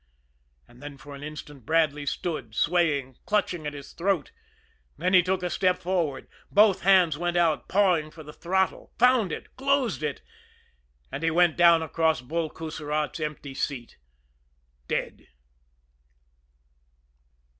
And then for an instant Bradley stood swaying, clutching at his throat then he took a step forward both hands went out pawing for the throttle, found it, closed it and he went down across Bull Coussirat's empty seat dead.